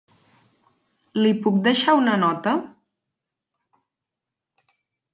Li puc deixar una nota?